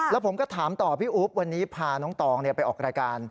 แล้วผมก็ถามต่อพี่อุ๊บวันนี้พาน้องตองไปออกรายการ